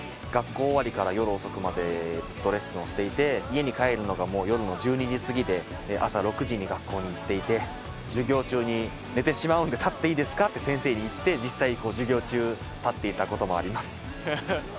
学校終わりから夜遅くまでずっとレッスンをしていて家に帰るのがもう夜の１２時すぎで朝６時に学校に行っていて授業中に寝てしまうんで「立っていいですか？」って先生に言って実際授業中立っていたこともあります。